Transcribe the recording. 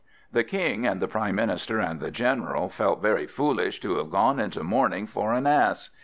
The King, and the Prime Minister, and the General felt very foolish to have gone into mourning for an Ass.